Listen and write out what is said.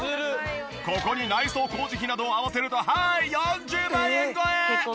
ここに内装工事費などを合わせるとはい４０万円超え！